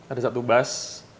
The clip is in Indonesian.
ada satu bus